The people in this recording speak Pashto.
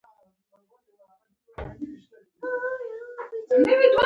دنیا بې وفا ده هېچا بار نه دی تړلی.